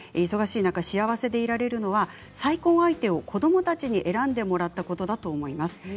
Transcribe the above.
忙しい中、幸せでいられるのは再婚相手を子どもたちに選んでもらったことだと思います。